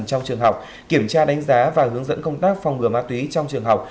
trong trường học kiểm tra đánh giá và hướng dẫn công tác phòng ngừa ma túy trong trường học